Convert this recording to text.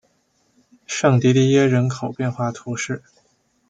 圣迪迪耶人口变化图示